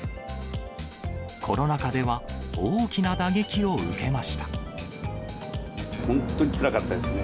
コロナ禍では、本当につらかったですね。